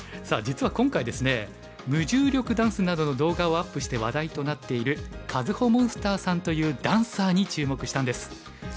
さあ実は今回ですね無重力ダンスなどの動画をアップして話題となっているＫａｚｕｈｏＭｏｎｓｔｅｒさんというダンサーに注目したんです。